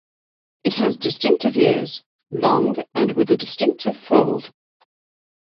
It has distinctive ears, long and with a distinctive fold.